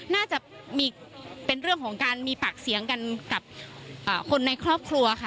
น่าจะมีเป็นเรื่องของการมีปากเสียงกันกับคนในครอบครัวค่ะ